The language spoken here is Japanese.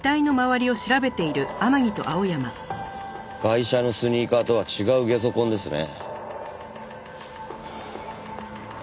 ガイシャのスニーカーとは違うゲソ痕ですね。